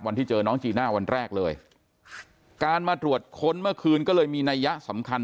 วันที่เจอน้องจีน่าวันแรกเลยการมาตรวจค้นเมื่อคืนก็เลยมีนัยยะสำคัญ